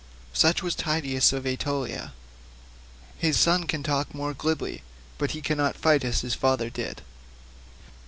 Such was Tydeus of Aetolia. His son can talk more glibly, but he cannot fight as his father did."